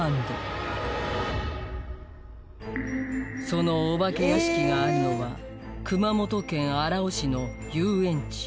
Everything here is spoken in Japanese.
そのお化け屋敷があるのは熊本県荒尾市の遊園地